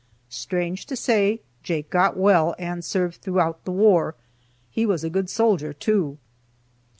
Strange to say, Jake got well, and served throughout the war. He was a good soldier, too.